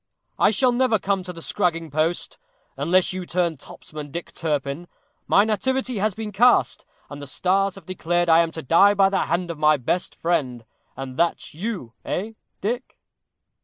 I shall never come to the scragging post, unless you turn topsman, Dick Turpin. My nativity has been cast, and the stars have declared I am to die by the hand of my best friend and that's you eh? Dick?"